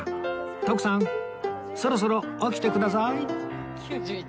徳さんそろそろ起きてください